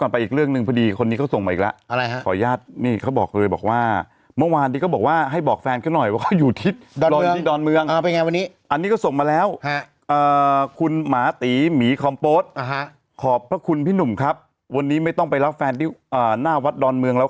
แปดหกเก้าสามเลขเนี้ยรวมถึงภูมิที่จุดบริเวณด้านหน้าเออ